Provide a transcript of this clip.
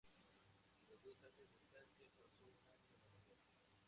Tras dos años de estancia, pasó un año en Nueva York.